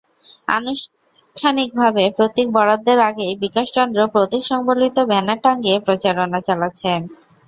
আনুষ্ঠানিকভাবে প্রতীক বরাদ্দের আগেই বিকাশ চন্দ্র প্রতীকসংবলিত ব্যানার টাঙিয়ে প্রচারণা চালাচ্ছেন।